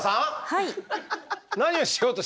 はい。